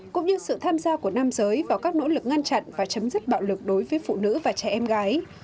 cũng như sự tham gia của nam giới vào các nỗ lực ngăn chặn và chấm dứt bạo lực đối với phụ nữ và trẻ em gái